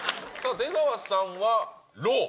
出川さんはロー？